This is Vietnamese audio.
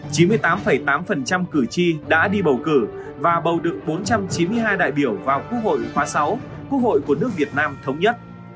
chín mươi tám tám cử tri đã đi bầu cử và bầu được bốn trăm chín mươi hai đại biểu vào quốc hội khóa sáu quốc hội của nước việt nam thống nhất